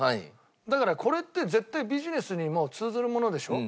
だからこれって絶対ビジネスにも通ずるものでしょ？